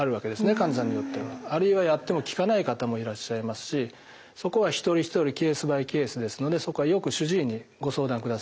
患者さんによっては。あるいはやっても効かない方もいらっしゃいますしそこは一人一人ケースバイケースですのでよく主治医にご相談ください。